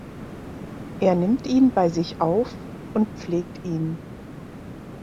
Er nimmt ihn bei sich auf und pflegt ihn.